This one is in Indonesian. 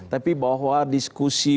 tapi bahwa diskusi